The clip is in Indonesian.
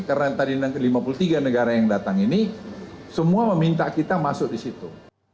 karena tadi lima puluh tiga negara yang datang ini semua meminta kita masuk di situ